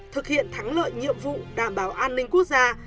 thực hiện thắng lợi nhiệm vụ đảm bảo an ninh quốc gia